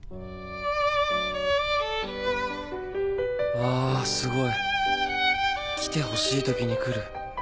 あーすごい。来てほしいときに来る。